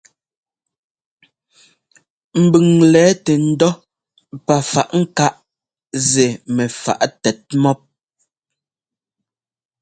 Mbʉŋ lɛɛ tɛ ńdɔ́ pafaꞌŋkáꞌ zɛ mɛfaꞌ tɛt mɔ́p.